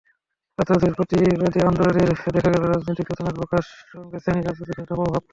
ছাত্রদের প্রতিবাদী আন্দোলনে দেখা গেল রাজনৈতিক চেতনার প্রকাশ, সঙ্গে শ্রেণি-রাজনীতির কিছুটা প্রভাব।